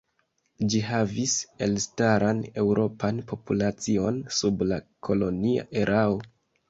Ĝi havis elstaran eŭropan populacion sub la kolonia erao.